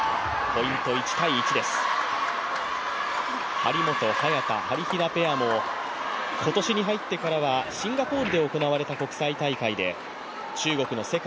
張本・早田はりひなペアも今年に入ってからはシンガポールで行われた国際大会で中国の世界